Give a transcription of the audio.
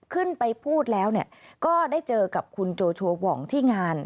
ขึ้นไปพูดแล้วก็ได้เจอกับคุณโจโชวองที่งาน